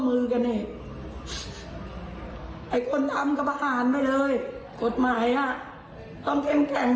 ใครทำอะไรให้จับให้ได้และจับให้ได้ก่อน